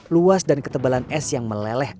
luas dan ketebalan es yang meleleh